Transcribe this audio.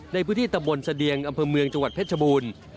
ในพื้นที่ตะบนเสดียงอำเภอเมืองจังหวัดเพชรบูรณ์